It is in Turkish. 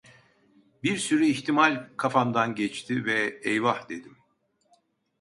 Bir sürü ihtimal kafamdan geçti ve "Eyvah!" dedim.